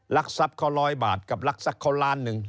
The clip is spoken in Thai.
รักษัพเขาร้อยบาทกับรักษะเขาล้านนึง